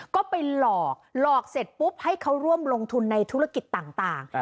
ก็ไปหลอกหลอกเสร็จปุ๊บให้เขาร่วมลงทุนในธุรกิจต่าง